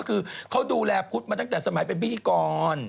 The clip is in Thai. กูดูแลพุสมันตั้งแต่ปฏิกร